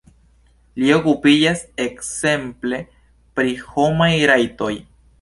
Li okupiĝas ekzemple pri homaj rajtoj.